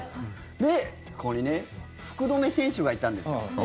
で、ここに福留選手がいたんですよ。